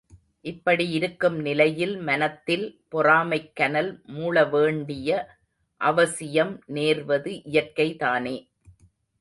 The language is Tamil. இப்படி இருக்கும் நிலையில் மனத்தில் பொறாமைக் கனல் மூளவேண்டிய அவசியம் நேர்வது இயற்கைதானே.